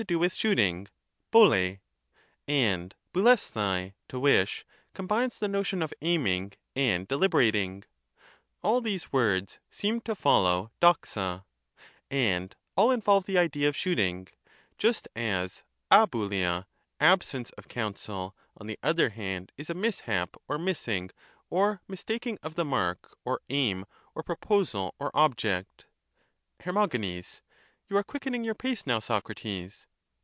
do with shooting (iSoATy) ; and fSovAeaOai (to wish) combines the notion of aiming and deliberating — all these words seem to follow So^a, and all involve the idea of shooting, just as d(iovA.ia, absence of counsel, on the other hand, is a mishap, or missing, or mistaking of the mark, or aim, or proposal, or object. Her. You are quickening your pace now, Socrates.